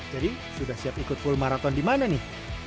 jadi sudah siap ikut full marathon di mana nih